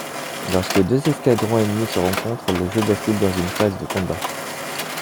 Lorsque deux escadrons ennemis se rencontrent, le jeu bascule dans une phase de combat.